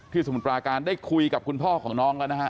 สมุทรปราการได้คุยกับคุณพ่อของน้องแล้วนะฮะ